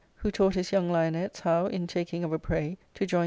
^Book III, who taught his young lionets how, in taking of a prey, to join